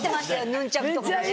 ヌンチャクとかもね。